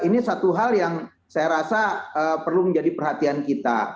hal hal yang saya rasa perlu menjadi perhatian kita